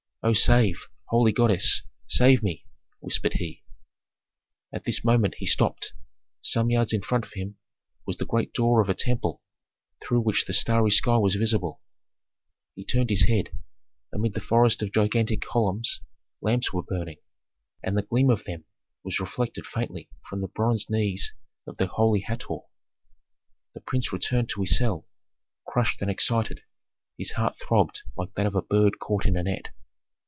"Oh, save, holy goddess, save me!" whispered he. At this moment he stopped: some yards in front of him was the great door of a temple through which the starry sky was visible. He turned his head. Amid the forest of gigantic columns lamps were burning, and the gleam of them was reflected faintly from the bronze knees of the holy Hator. The prince returned to his cell, crushed and excited; his heart throbbed like that of a bird caught in a net.